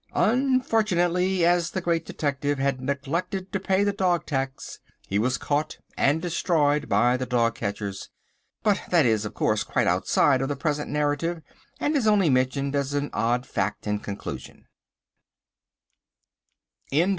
Unfortunately as the Great Detective had neglected to pay the dog tax, he was caught and destroyed by the dog catchers. But that is, of course, quite outside of the present narrative, and is only mentioned as an odd fact in conclusion.